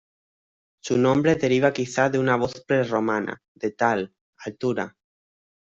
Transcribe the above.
Su nombre deriva quizá de una voz prerromana, de "tal", altura.